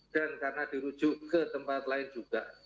dan karena dirujuk ke tempat lain juga